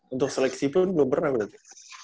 untuk seleksi pun belum pernah berarti